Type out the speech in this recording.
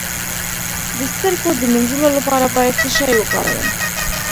د سترګو د مینځلو لپاره باید څه شی وکاروم؟